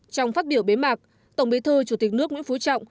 trong phát biểu bế mạc tổng bí thư chủ tịch nước nguyễn phú trọng